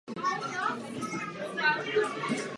Spolupracoval také s některými hudebníky.